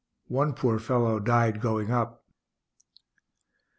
One poor fellow died going up.